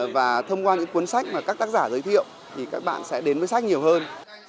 và thông qua những cuốn sách mà các tác giả giới thiệu thì các bạn sẽ đến với sách nhiều hơn